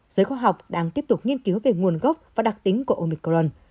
giới khoa học đang tiếp tục nghiên cứu về nguồn gốc và đặc tính của omicron